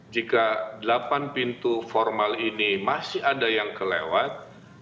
jika delapan pintu formal ini masih ada yang kelewat